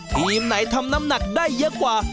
ทีมไหนทำน้ำหนักได้เยอะกว่า